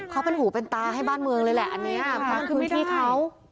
เขาเป็นหูเป็นตาให้บ้านเมืองเลยแหละอันนี้บ้านคือพื้นที่เขา